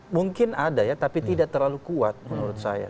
mungkin ada ya tapi tidak terlalu kuat menurut saya